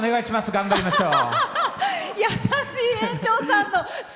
頑張りましょう。